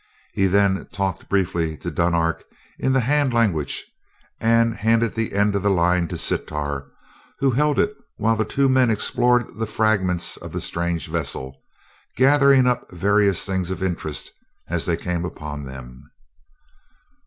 He then talked briefly to Dunark in the hand language, and handed the end of the line to Sitar, who held it while the two men explored the fragments of the strange vessel, gathering up various things of interest as they came upon them.